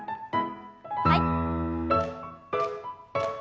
はい。